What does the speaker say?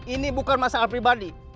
ini bukan masalah pribadi